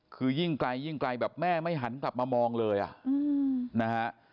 คือยิ่งไกลแบบแม่ไม่หันกลับมามองเลยอ่ะ